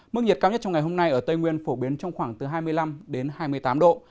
mức nhiệt cao nhất trong ngày hôm nay ở tây nguyên phổ biến trong khoảng từ hai mươi năm đến hai mươi tám độ